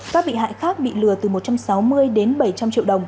các bị hại khác bị lừa từ một trăm sáu mươi đếm